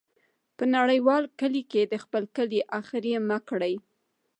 په نړیوال کلي کې د خپل کلی ، اخر یې مه کړې.